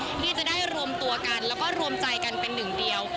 ที่จะได้รวมตัวกันแล้วก็รวมใจกันเป็นหนึ่งเดียว